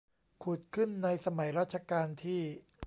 ขุดขึ้นในสมัยรัชกาลที่